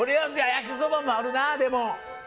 焼きそばもあるな、でも。